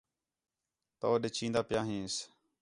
تَؤ ݙے چِین٘دا پِیا ہینس